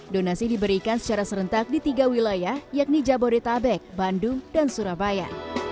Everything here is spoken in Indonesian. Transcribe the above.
donasi diberikan secara serentak di tiga wilayah yakni jabodetabek bandung dan surabaya